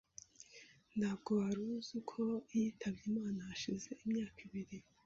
Ntabwo wari uzi ko yitabye Imana hashize imyaka ibiri?